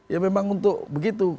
ya memang untuk begitu